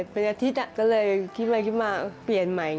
เป็นอาทิตย์ก็เลยคิดมาเปลี่ยนใหม่